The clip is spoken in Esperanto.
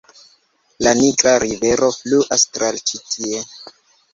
La Nigra rivero fluas tra ĉi tie.